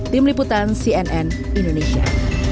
tim liputan cnn indonesia